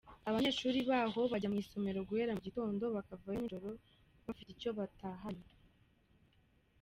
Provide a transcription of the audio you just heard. Abanyeshuri baho bajya mu isomero guhera mu gitondo, bakava yo nijoro bafite icyo batahanye.